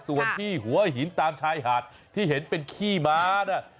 ส่วนที่หัวหินตามชายหาดที่เห็นเป็นขี้ม้าเนี่ย